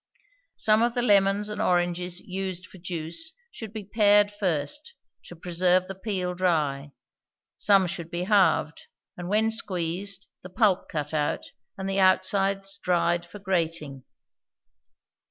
Some of the lemons and oranges used for juice should be pared first, to preserve the peel dry; some should be halved, and, when squeezed, the pulp cut out, and the outsides dried for grating.